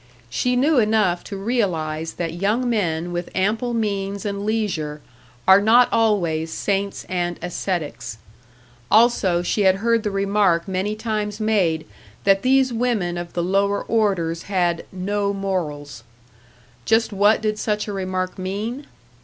She knew enough to realise that young men with ample means and leisure are not always saints and ascetics. Also, she had heard the remark many times made that these women of the lower orders had "no morals." Just what did such a remark mean?